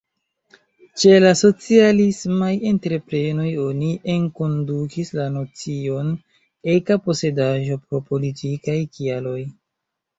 Ĉe la socialismaj entreprenoj oni enkondukis la nocion „eka posedaĵo” pro politikaj kialoj.